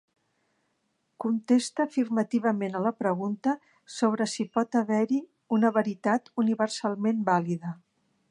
Conteste afirmativament a la pregunta sobre si pot haver-hi una veritat universalment vàlida.